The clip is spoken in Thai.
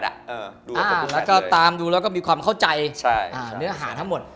แล้วก็ตามดูแล้วก็มีความเข้าใจเนื้อหาทั้งหมด